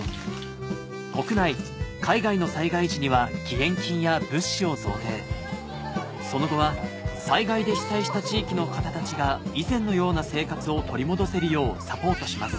国内海外の災害時には義援金や物資を贈呈その後は災害で被災した地域の方たちが以前のような生活を取り戻せるようサポートします